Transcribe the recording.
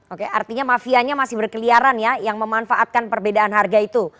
oke artinya mafianya masih berkeliaran ya yang memanfaatkan perbedaan harga itu